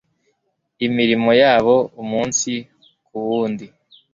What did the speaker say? imirimo yabo umunsi kuwundi